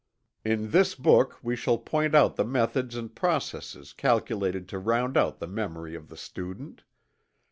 In this book we shall point out the methods and processes calculated to round out the memory of the student.